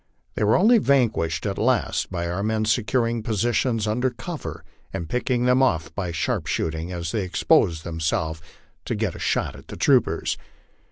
They were only vanquished at last by our men securing positions under cover and picking them off by sharpshooting as they exposed themselves to get a shot at the troopers.